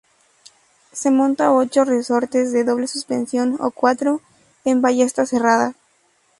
Se monta a ocho resortes de doble suspensión o cuatro en ballesta cerrada.